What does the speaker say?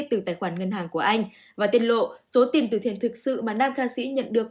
từ tài khoản ngân hàng của anh và tiên lộ số tiền từ thiện thực sự mà nam ca sĩ nhận được